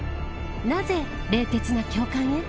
なぜ、冷徹な教官へ。